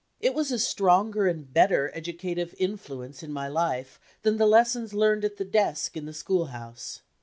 It was a stronger and bener educative influence in my life than the lessons learned at the desk in the school house.